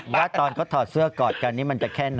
ว่าตอนเขาถอดเสื้อกอดกันนี่มันจะแค่ไหน